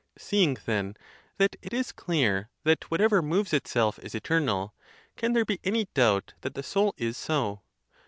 Seeing, then, that it is clear that whatever moves itself is eternal, can there be any doubt that the soul is so?